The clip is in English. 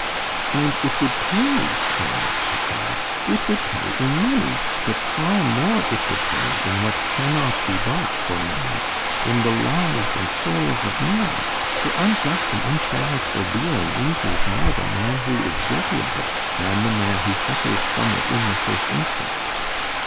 "And it would pay, Colonel," she cried, "it would pay in money, but far more it would pay in what cannot be bought for money in the lives and souls of men, for unjust and uncharitable dealing injures more the man who is guilty of it than the man who suffers from it in the first instance."